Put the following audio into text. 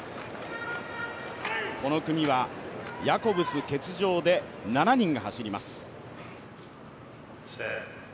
この組はヤコブス欠場で７人が走ります。